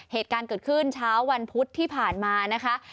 เหตุการณ์เกิดขึ้นเช้าวันพุธที่ผ่านมานะคะ